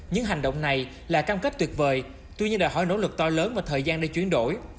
những hành động này là cam kết tuyệt vời tuy nhiên đòi hỏi nỗ lực to lớn và thời gian để chuyển đổi